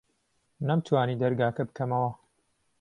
نەمتوانی دەرگاکە بکەمەوە.